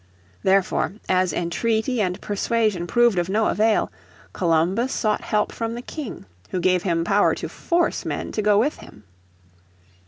Therefore as entreaty and persuasion proved of no avail, Columbus sought help from the King, who gave him power to force men to go with him.